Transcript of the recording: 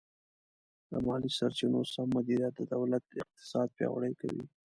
د مالي سرچینو سم مدیریت د دولت اقتصاد پیاوړی کوي.